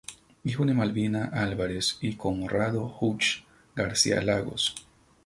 Hijo de Malvina Álvarez y Conrado Hughes García Lagos.